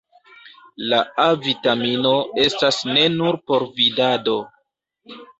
La A-vitamino estas ne nur por vidado.